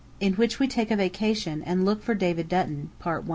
IN WHICH WE TAKE A VACATION AND LOOK FOR DAVID DUTTON.